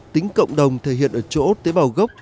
tính cộng đồng thể hiện ở chỗ tế bào gốc